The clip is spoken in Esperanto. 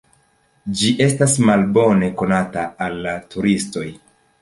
Ĝi estas malbone konata al la turistoj.